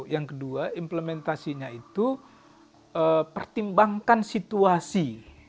yang kedua implementasinya itu pertimbangkan situasi